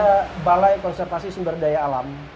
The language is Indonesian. ada balai konservasi sumber daya alam